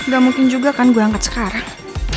gak mungkin juga kan gue angkat sekarang